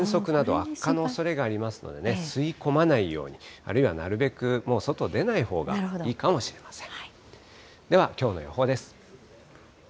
アレルギー症状やぜんそくなど、悪化のおそれがありますのでね、吸い込まないように、あるいはなるべく、もう外出ないほうがいいかもしれません。